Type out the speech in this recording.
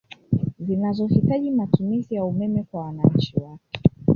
Zinazo hitaji matumizi ya umeme kwa wananchi wake